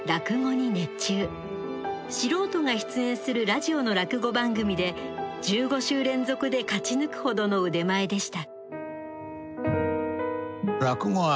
素人が出演するラジオの落語番組で１５週連続で勝ち抜くほどの腕前でした。